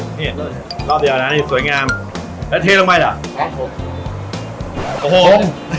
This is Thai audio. รอบเดียวน่ะนี่สวยงามแล้วเทลงไม่ล่ะครับผมโอ้โหผม